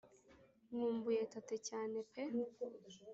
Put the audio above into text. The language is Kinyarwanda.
Nkumbuye tate cyane pe